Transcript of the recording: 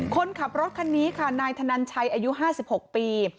คนขับรถคันนี้ค่ะนายธนันชัยอายุ๕๖ปี